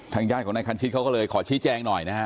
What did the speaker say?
ญาติของนายคันชิดเขาก็เลยขอชี้แจงหน่อยนะฮะ